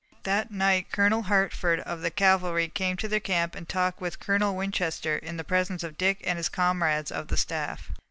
That night Colonel Hertford of the cavalry came to their camp and talked with Colonel Winchester in the presence of Dick and his comrades of the staff.